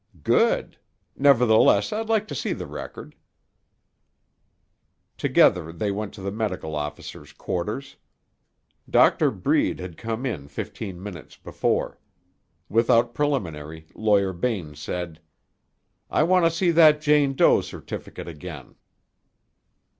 "Good! Nevertheless, I'd like to see the record." Together they went to the medical officer's quarters. Doctor Breed had come in fifteen minutes before. Without preliminary, Lawyer Bain said: "I want to see that Jane Doe certificate again."